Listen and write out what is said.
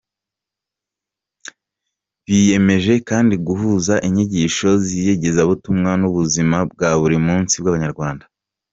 Biyemeje kandi guhuza inyigisho z’iyogezabutumwa n’ubuzima bwa buri munsi bw’Abanyarwanda.